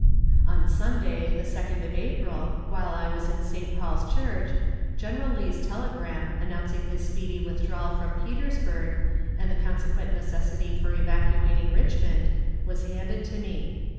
On Sunday, the 2d of April, while I was in St. Paul's church. General Lee's telegram, announcing his speedy withdrawal from Petersburg, and the consequent necessity for evacuating Richmond, was handed to me.